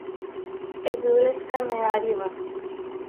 Azores کا معیاری وقت